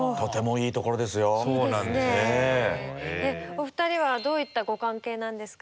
お二人はどういったご関係なんですか？